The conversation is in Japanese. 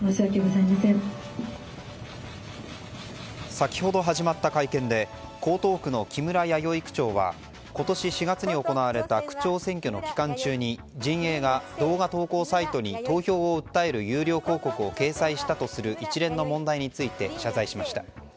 先ほど始まった会見で江東区の木村弥生区長は今年４月に行われた区長選挙の期間中に陣営が、動画投稿サイトに投票を訴える有料広告を掲載したとする一連の問題について謝罪しました。